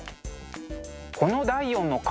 この第４の顔